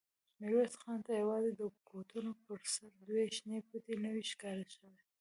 ميرويس خان ته يواځې د کوټونو پر سر دوې شنې پټې نوې ښکاره شوې.